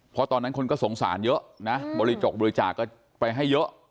เพราะตอนนั้นคนก็สงสารเยอะนะบริจกบริจาคก็ไปให้เยอะ